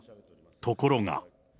ところが。